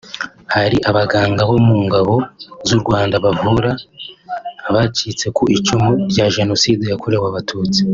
Hari abaganga bo mu Ngabo z’u Rwanda bavura abacitse ku icumu rya Jenoside yakorewe Abatutsi